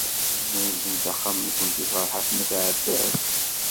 Ad tezzenzemt axxam-nkent i Ferḥat n At Ɛebbas?